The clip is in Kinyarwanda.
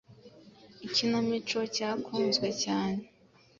Ni ikinamico yakunzwe cyane